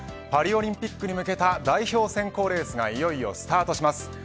パリオリンピックに向けた代表選考レースがいよいよスタートします。